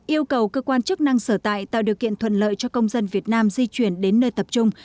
yêu cầu cơ quan chức năng sở tại tạo điều kiện thuận lợi cho công dân việt nam di chuyển đến nơi tập trung